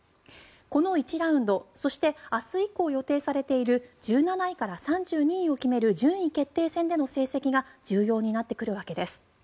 この１ラウンドそして明日以降予定されている１７位から３２位を決める順位決定戦での成績が重要になってくるわけです。